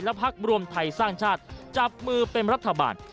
พักรวมไทยสร้างชาติจับมือเป็นรัฐบาล